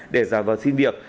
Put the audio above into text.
để ra vào xin việc